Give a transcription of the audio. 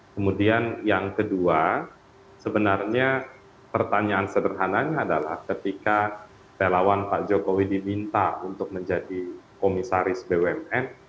kemudian yang kedua sebenarnya pertanyaan sederhananya adalah ketika relawan pak jokowi diminta untuk menjadi komisaris bumn